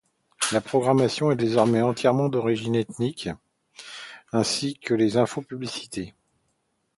La programmation est désormais entièrement d'origine ethnique, ainsi que des infopublicités.